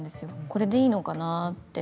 これでいいのかなって。